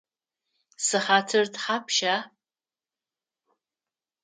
Сыхьатыр тхапща?